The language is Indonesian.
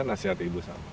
terus nasihat ibu sama